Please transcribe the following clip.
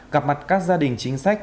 gặp mặt các gia đình chính sách